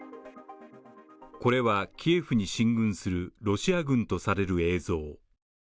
これは、キエフに進軍するロシア軍とされる映像。